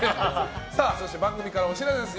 そして番組からお知らせです。